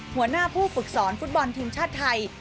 หัวหน้าผู้ฝึกสอนฟุตบอลทีมชาติไทย